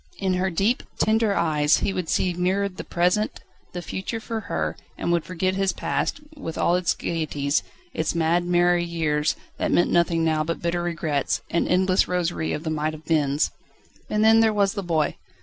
In her deep, tender eyes he would see mirrored the present, the future for her, and would forget his past, with all its gaieties, its mad, merry years, that meant nothing now but bitter regrets, and endless rosary of the might have beens. And then there was the boy.